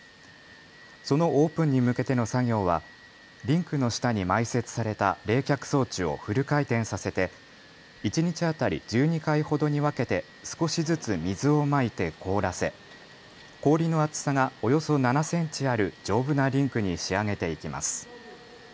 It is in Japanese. そのオープンに向けての作業はリンクの下に埋設された冷却装置をフル回転させて一日当たり１２回ほどに分けて少しずつ水をまいて凍らせ、氷の厚さがおよそ７センチある丈夫なリンクに仕上げていきます。